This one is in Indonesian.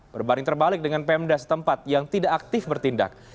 berbaring terbalik dengan pemda setempat yang tidak aktif bertindak